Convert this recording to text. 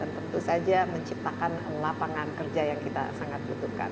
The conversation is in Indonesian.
dan tentu saja menciptakan lapangan kerja yang kita sangat butuhkan